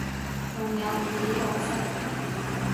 仲有五點黃色